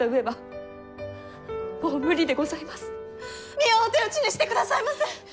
美代をお手討ちにしてくださいませ！